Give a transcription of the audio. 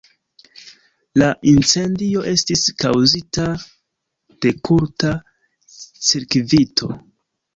La incendio estis kaŭzita de kurta cirkvito.